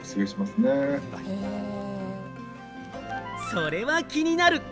それは気になる！